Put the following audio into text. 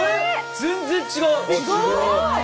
全然違う！